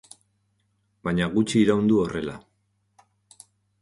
Baina gutxi iran du horrela.